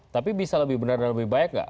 tapi bisa lebih benar dan lebih baik nggak